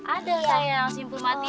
ada sayang simpul mati